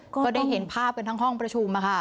ก็ได้เห็นภาพกันทั้งห้องประชุม